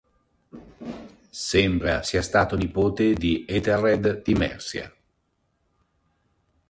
Sembra sia stato nipote di Aethelred di Mercia.